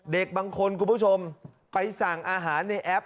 เด็กบางคนคุณผู้ชมไปสั่งอาหารในแอป